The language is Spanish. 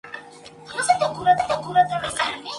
En un principio eran de tripa.